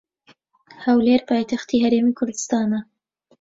هەولێر پایتەختی هەرێمی کوردستانە.